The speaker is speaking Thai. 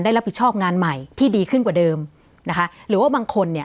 รับผิดชอบงานใหม่ที่ดีขึ้นกว่าเดิมนะคะหรือว่าบางคนเนี่ย